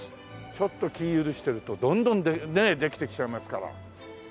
ちょっと気許してるとどんどんねえできてきちゃいますから。